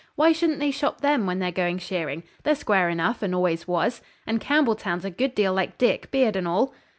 Why shouldn't they shop them when they're going shearing? They're square enough, and always was. And Campbelltown's a good deal like Dick, beard and all.'